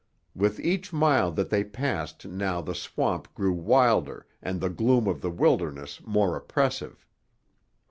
With each mile that they passed now the swamp grew wilder and the gloom of the wilderness more oppressive.